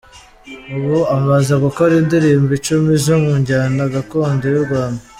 Ubu amaze gukora indirimbo icumi zo mu njyana gakondo y’u Rwanda.